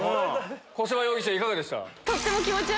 小芝容疑者いかがでした？